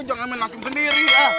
jangan main napsim sendiri ya